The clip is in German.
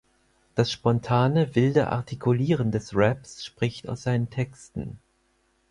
Das spontane, wilde Artikulieren des Raps spricht aus seinen Texten.